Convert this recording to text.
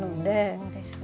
そうですよね。